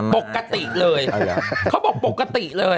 ปกติเลยเขาบอกปกติเลย